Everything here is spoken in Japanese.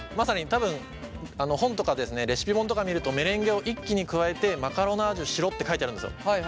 多分本とかレシピ本とか見るとメレンゲを一気に加えてマカロナージュしろって書いてあるんですよ。